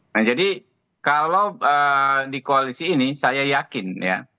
nah jadi kalau di koalisi ini saya yakin ya